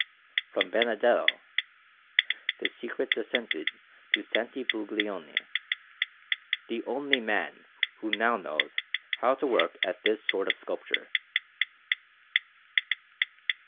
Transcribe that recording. From Benedetto the secret descended to Santi Buglioni, the only man who now knows how to work at this sort of sculpture.